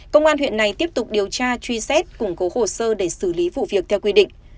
công an huyện này tiếp tục điều tra truy xét củng cố hồ sơ để xử lý vụ việc theo quy định